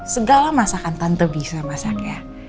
segala masakan tante bisa masaknya